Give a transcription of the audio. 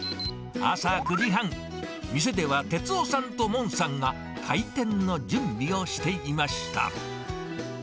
朝９時半、店では哲夫さんとモンさんが開店の準備をしていました。